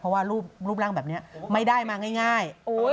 เพราะว่ารูปร่างแบบนี้ไม่ได้มาง่าย